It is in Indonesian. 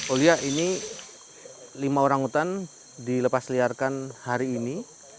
olya ini lima orangutan dilepasliarkan hari ini